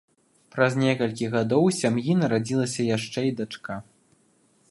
Праз некалькі гадоў у сям'і нарадзілася яшчэ і дачка.